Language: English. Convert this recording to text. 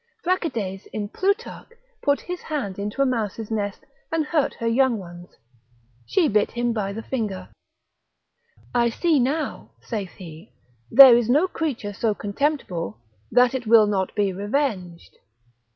Bracides, in Plutarch, put his hand into a mouse's nest and hurt her young ones, she bit him by the finger: I see now (saith he) there is no creature so contemptible, that will not be revenged.